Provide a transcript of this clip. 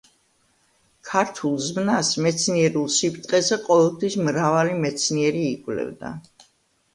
ქართულ ზმნას მეცნიერულ სიბრტყეზე ყოველთვის მრავალი მეცნიერი იკვლევდა.